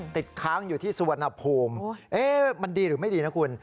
ติดค้างอยู่ที่สุวรรณภูมิมันดีหรือไม่ดีนะคุณ